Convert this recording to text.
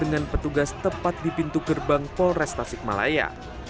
dengan petugas tepat di pintu gerbang pol restasi malaya